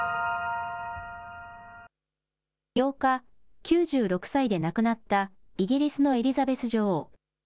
８日、９６歳で亡くなったイギリスのエリザベス女王。